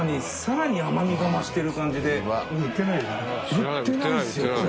売ってないですよこれ。